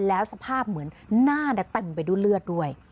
แล้วสภาพเหมือนหน้าเต็มไปด้วยเลือดด้วย